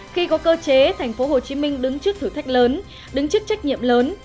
khi có cơ chế tp hcm đứng trước thử thách lớn đứng trước trách nhiệm lớn